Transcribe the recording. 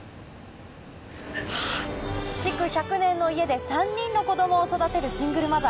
築１００年の家で３人の子供を育てるシングルマザー。